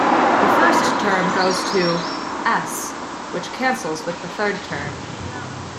The first term goes to "s", which cancels with the third term.